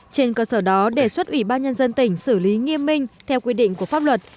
trên cơ sở đó đề xuất ủy ban nhân dân tỉnh xử lý nghiêm minh theo quy định của pháp luật